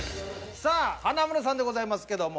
さあ華丸さんでございますけども。